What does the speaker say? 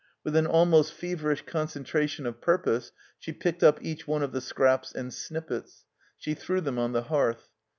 With an almost feverish concentration of purpose she picked up each one of the scraps and snippets ; she threw them on the hearth.